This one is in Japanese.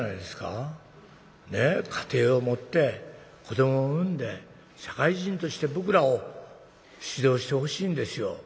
家庭を持って子どもを産んで社会人として僕らを指導してほしいんですよ。